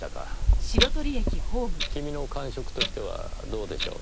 君の感触としてはどうでしょう？